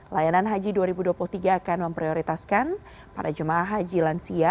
layanan haji dua ribu dua puluh tiga akan memprioritaskan para jemaah haji lansia